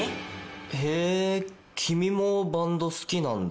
へぇ君もバンド好きなんだ。